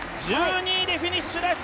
１２位でフィニッシュです。